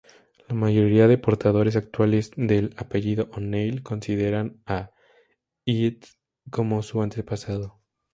La mayoría de portadores actuales del apellido O'Neill consideran a Áed como su antepasado.